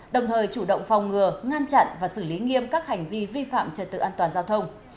đồng thời chủ động phòng ngừa ngăn chặn và xử lý nghiêm các hành vi vi phạm trật tự an toàn giao thông